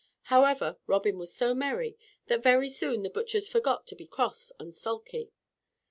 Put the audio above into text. However, Robin was so merry, that very soon the butchers forgot to be cross and sulky.